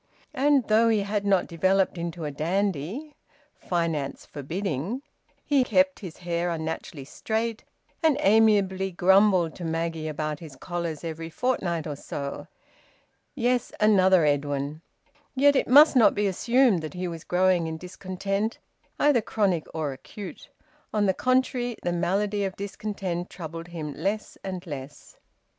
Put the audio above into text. And though he had not developed into a dandy (finance forbidding), he kept his hair unnaturally straight, and amiably grumbled to Maggie about his collars every fortnight or so. Yes, another Edwin! Yet it must not be assumed that he was growing in discontent, either chronic or acute. On the contrary, the malady of discontent troubled him less and less.